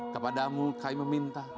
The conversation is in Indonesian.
kepadamu khaim meminta